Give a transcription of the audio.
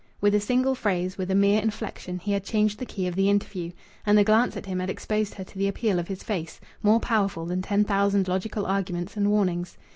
With a single phrase, with a mere inflection, he had changed the key of the interview. And the glance at him had exposed her to the appeal of his face, more powerful than ten thousand logical arguments and warnings.